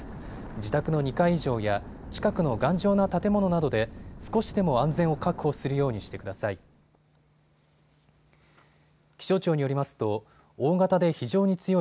自宅の２階以上や近くの頑丈な建物などで少しでも安全を確保するようにしてください。